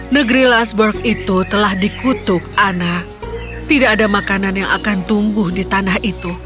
negeri lasburg itu telah dikutuk ana tidak ada makanan yang akan tumbuh di tanah itu